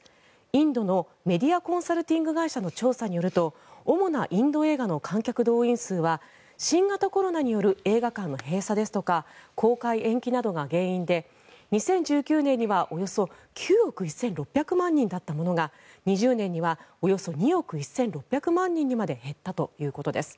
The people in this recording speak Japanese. インドのメディアコンサルティング会社の調査によると主なインド映画の観客動員数は新型コロナによる映画館の閉鎖ですとか公開延期など原因で２０１９年にはおよそ９億１６００万人だったものが２０年にはおよそ２億１６００万人にまで減ったということです。